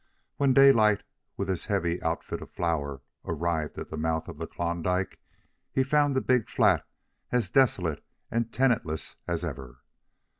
When Daylight, with his heavy outfit of flour, arrived at the mouth of the Klondike, he found the big flat as desolate and tenantless as ever.